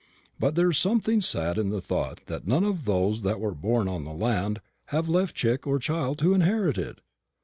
But there's something sad in the thought that none of those that were born on the land have left chick or child to inherit it."